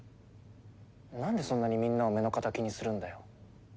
なんでそんなにみんなを目の敵にするんだよ？